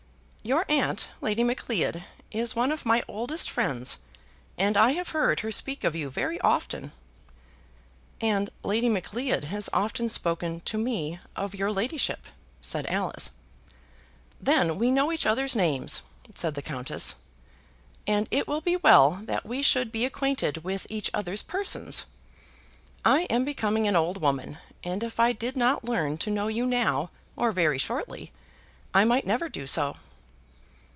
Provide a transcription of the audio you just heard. "Your aunt, Lady Macleod, is one of my oldest friends, and I have heard her speak of you very often." "And Lady Macleod has often spoken to me of your ladyship," said Alice. "Then we know each other's names," said the Countess; "and it will be well that we should be acquainted with each other's persons. I am becoming an old woman, and if I did not learn to know you now, or very shortly, I might never do so."